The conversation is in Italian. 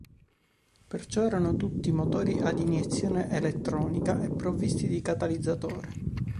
Perciò erano tutti motori ad iniezione elettronica e provvisti di catalizzatore.